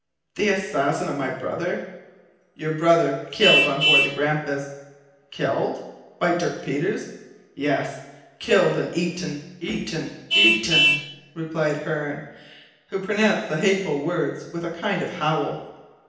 "The assassin of my brother!" "Your brother, killed on board the Grampus " "Killed! by Dirk Peters?" "Yes! Killed and eaten eaten eaten!" repeated Hearne, who pronounced the hateful words with a kind of howl.